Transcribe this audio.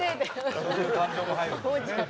伊達：そういう感情も入るんだね。